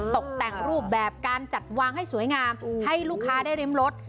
ตกแต่งรูปแบบการจัดวางให้สวยงามให้ลูกค้าได้ริมรส